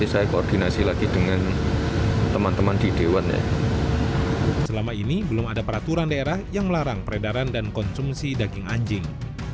selama ini belum ada peraturan daerah yang melarang peredaran dan konsumsi daging anjing